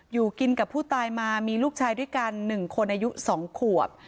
อยู่กินกับผู้ตายมามีลูกชายด้วยกัน๑คนอายุ๒ขวบ